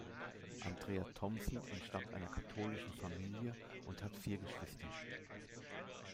Andrea Thompson entstammt einer katholischen Familie und hat vier Geschwister.